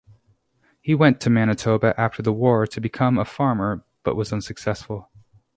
He went to Manitoba after the war to become a farmer, but was unsuccessful.